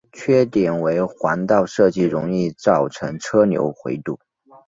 缺点为环道设计容易造成车流回堵。